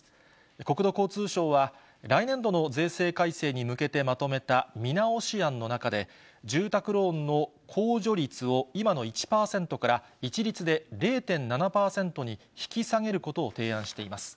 国土交通省は、来年度の税制改正に向けてまとめた見直し案の中で、住宅ローンの控除率を今の１％から一律で０．７％に引き下げることを提案しています。